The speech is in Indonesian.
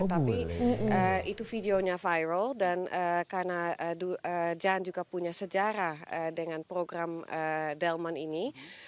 tapi itu videonya viral dan karena jan juga punya sejarah dengan program delman ini